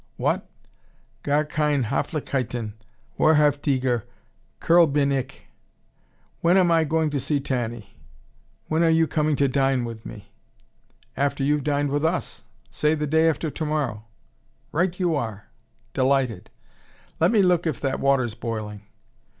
"What? Gar keine Hoflichkeiten. Wahrhaftiger Kerl bin ich. When am I going to see Tanny? When are you coming to dine with me?" "After you've dined with us say the day after tomorrow." "Right you are. Delighted . Let me look if that water's boiling."